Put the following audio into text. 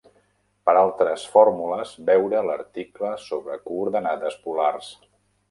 Per altres fórmules, veure l'article sobre coordenades polars.